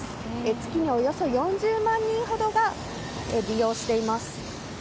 月におよそ４０万人ほどが利用しています。